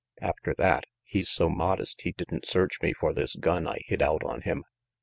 After that, he's so modest he didn't search me for this gun I hid out on him.